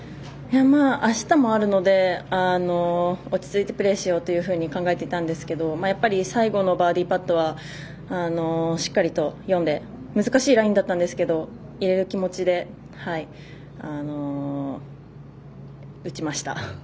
あしたもあるので落ち着いてプレーしようというふうに考えていたんですけど最後のバーディーパットはしっかりと読んで難しいラインだったんですけど入れる気持ちで打ちました。